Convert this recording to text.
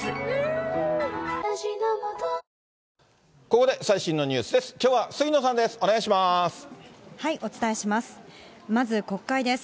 ここで最新のニュースです。